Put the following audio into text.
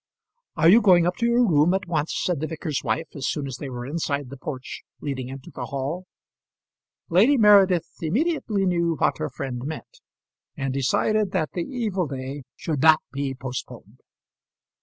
"Are you going up to your room at once?" said the vicar's wife, as soon as they were inside the porch leading into the hall. Lady Meredith immediately knew what her friend meant, and decided that the evil day should not be postponed.